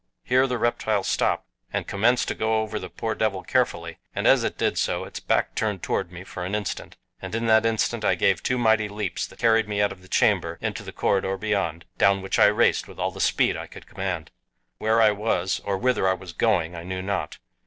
Here the reptile stopped and commenced to go over the poor devil carefully, and as it did so its back turned toward me for an instant, and in that instant I gave two mighty leaps that carried me out of the chamber into the corridor beyond, down which I raced with all the speed I could command. Where I was, or whither I was going, I knew not.